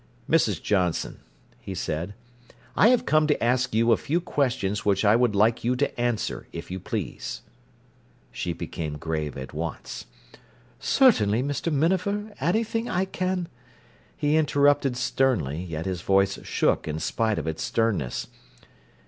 "Mrs. Johnson," he said, "I have come to ask you a few questions which I would like you to answer, if you please." She became grave at once. "Certainly, Mr. Minafer. Anything I can—" He interrupted sternly, yet his voice shook in spite of its sternness.